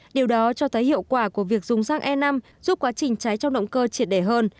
điều đó cho thấy hiệu quả của việc dùng xăng e năm giúp quá trình cháy trong động cơ triệt đề hơn